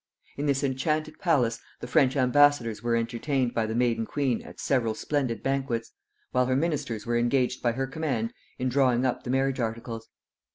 In this enchanted palace the French ambassadors were entertained by the maiden queen at several splendid banquets, while her ministers were engaged by her command in drawing up the marriage articles.